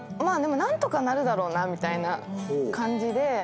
まあでも何とかなるだろうなみたいな感じで。